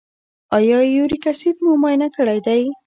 ایا یوریک اسید مو معاینه کړی دی؟